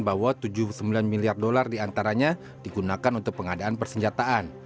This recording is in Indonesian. bahwa tujuh puluh sembilan miliar dolar diantaranya digunakan untuk pengadaan persenjataan